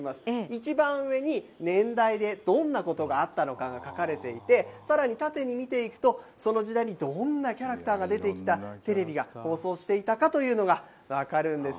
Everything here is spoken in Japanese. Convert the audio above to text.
一番上に、年代で、どんなことがあったのかが書かれていて、さらに縦に見ていくと、その時代にどんなキャラクターが出てきた、テレビが放送していたかというのが分かるんです。